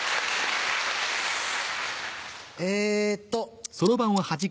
えっと。